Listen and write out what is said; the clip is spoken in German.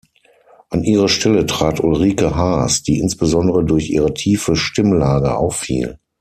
An ihre Stelle trat Ulrike Haas, die insbesondere durch ihre tiefe Stimmlage auffiel.